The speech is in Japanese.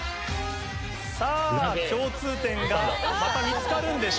さぁ共通点がまた見つかるんでしょうか？